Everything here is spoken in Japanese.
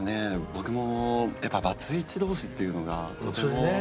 僕もやっぱバツイチ同士っていうのがとても。